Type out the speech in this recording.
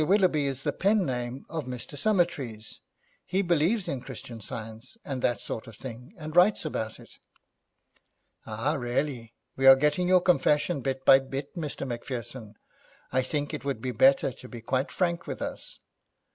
Willoughby is the pen name of Mr. Summertrees. He believes in Christian Science and that sort of thing, and writes about it.' 'Ah, really. We are getting your confession bit by bit, Mr. Macpherson. I think it would be better to be quite frank with us.'